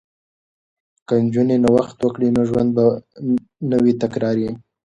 که نجونې نوښت وکړي نو ژوند به نه وي تکراري.